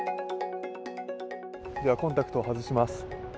ではコンタクトを外します。